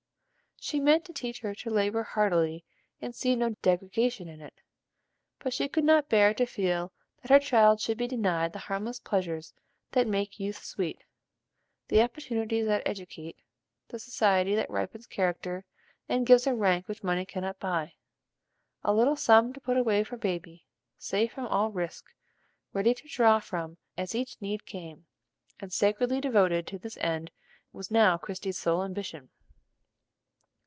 She meant to teach her to labor heartily and see no degradation in it, but she could not bear to feel that her child should be denied the harmless pleasures that make youth sweet, the opportunities that educate, the society that ripens character and gives a rank which money cannot buy. A little sum to put away for Baby, safe from all risk, ready to draw from as each need came, and sacredly devoted to this end, was now Christie's sole ambition.